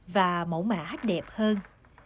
và mẫu mã đẹp hơn